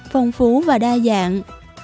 phong phú và đa dạng